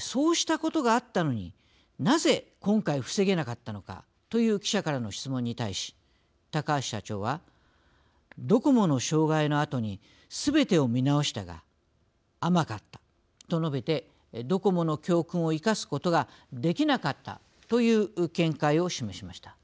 そうしたことがあったのになぜ、今回防げなかったのかという記者からの質問に対し高橋社長はドコモの障害のあとにすべてを見直したが、甘かったと述べてドコモの教訓を生かすことができなかったという見解を示しました。